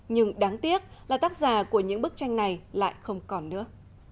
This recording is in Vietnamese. nhưng đáng tiếc là tác giả của những bức tranh này lại không còn nữa